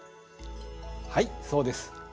はいそうです。